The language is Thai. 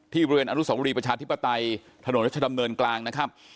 บริเวณอนุสวรีประชาธิปไตยถนนรัชดำเนินกลางนะครับ